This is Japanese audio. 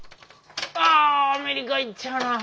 あアメリカ行っちゃうな。